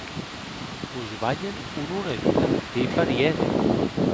Mos balhen o non ajuda, qu’ei parièr!